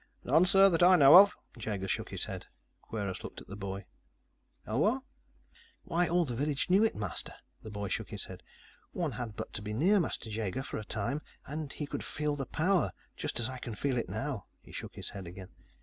"None, sir, that I know of." Jaeger shook his head. Kweiros looked at the boy. "Elwar?" "Why, all the village knew it, Master." The boy shook his head. "One had but to be near Master Jaeger for a time, and he could feel the power, just as I can feel it now." He shook his head again.